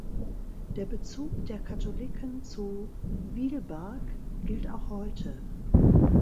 Der Bezug der Katholiken zu Wielbark gilt auch heute.